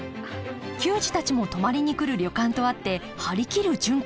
球児たちも泊まりに来る旅館とあって張り切る純子。